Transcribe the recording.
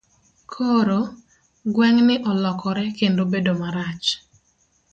Koro, gweng' ni olokore kendo bedo marach.